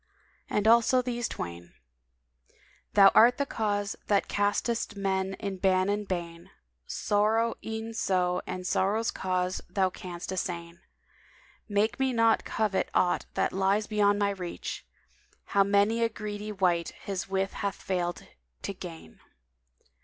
And also these twain, "Thou art the cause that castest men in ban and bane; * Sorrow e'en so and sorrow's cause Thou canst assain: Make me not covet aught that lies beyond my reach; * How many a greedy wight his wish hath failed to gain!"